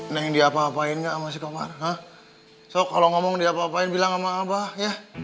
neng diapa apain nggak sama si kamar so kalau ngomong diapa apain bilang sama abah ya